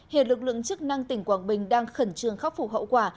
hiện lực lượng chức năng tỉnh quảng bình đang khẩn trương khắc phục hậu quả